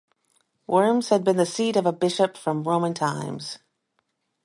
Worms had been the seat of a bishop from Roman times.